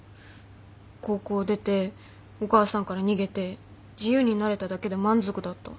高校出てお母さんから逃げて自由になれただけで満足だった。